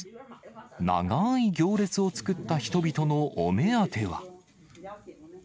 長い行列を作った人々のお目当ては。